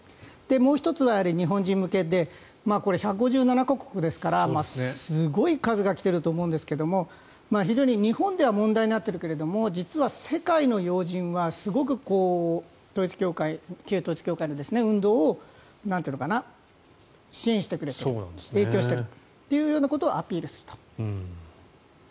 もう１つは日本人向けでこれ、１５７か国ですからすごい数が来ていると思うんですけれども非常に日本では問題になっているけれども実は世界の要人はすごく旧統一教会の運動を支援してくれている影響しているというようなことをアピールすると。